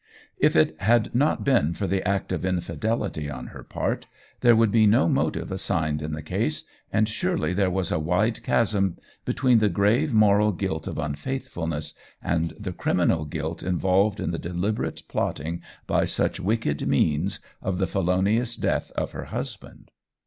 If it had not been for the act of infidelity on her part, there would be no motive assigned in the case, and surely there was a wide chasm between the grave moral guilt of unfaithfulness and the criminal guilt involved in the deliberate plotting by such wicked means of the felonious death of her husband.